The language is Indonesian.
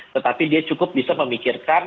tetapi dia cukup bisa memikirkan